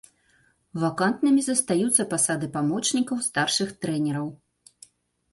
Вакантнымі застаюцца пасады памочнікаў старшых трэнераў.